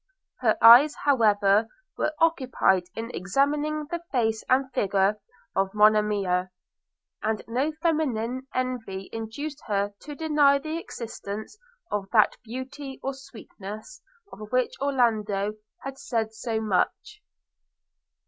Her eyes, however, were occupied in examining the face and figure of Monimia; and no feminine envy induced her to deny the existence of that beauty or sweetness, of which Orlando had said so much.